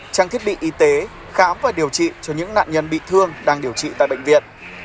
trang thiết bị y tế khám và điều trị cho những nạn nhân bị thương đang điều trị tại bệnh viện